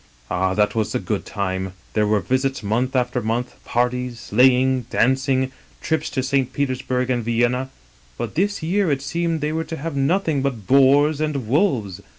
Ah, that was the good time I There were visits month after month ; parties, sleigh ing, dancing, trips to St. Petersburg and Vienna. But this year it seemed they were to have nothing but boars an(t wolves.